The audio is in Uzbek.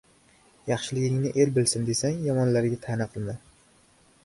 — Yaxshiligingni el bilsin desang, yomonlarga ta’na qilma.